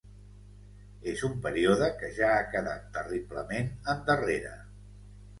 És un període que ja ha quedat terriblement endarrere